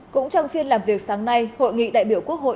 cũng trong phiên làm việc sáng nay hội nghị đại biểu quốc hội